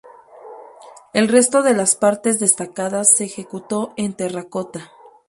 El resto de las partes destacadas se ejecutó en terracota.